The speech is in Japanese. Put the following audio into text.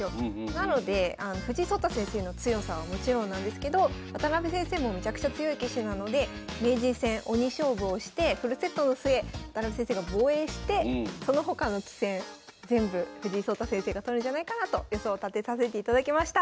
なので藤井聡太先生の強さはもちろんなんですけど渡辺先生もめちゃくちゃ強い棋士なので名人戦鬼勝負をしてフルセットの末渡辺先生が防衛してその他の棋戦全部藤井聡太先生が取るんじゃないかなと予想立てさせていただきました。